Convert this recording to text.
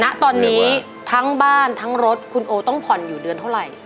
ณตอนนี้ทั้งบ้านทั้งรถคุณโอต้องผ่อนอยู่เดือนเท่าไหร่